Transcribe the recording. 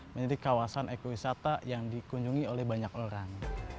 menjadi kawasan ekowisata yang dikunjungi oleh banyak orang